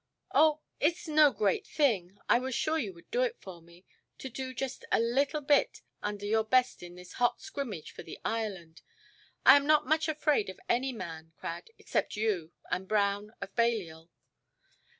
"Oh, it is no great thing. I was sure you would do it for me. To do just a little bit under your best in this hot scrimmage for the Ireland. I am not much afraid of any man, Crad, except you, and Brown, of Balliol".